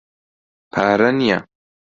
پارە نییە.